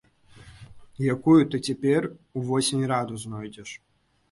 Якую ты цяпер увосень раду знойдзеш?